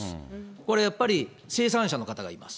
これやっぱり、生産者の方がいます。